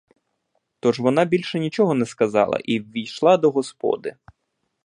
Тож вона більш нічого не сказала і ввійшла до господи.